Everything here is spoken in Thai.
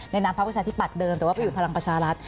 นามพักประชาธิปัตเดิมแต่ว่าไปอยู่พลังประชารัฐ